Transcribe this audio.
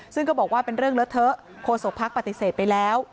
ซึ่งก็บอกว่าเป็นเรื่องเลอะเทอะโฆษกภักดิ์ปฏิเสธไปแล้ว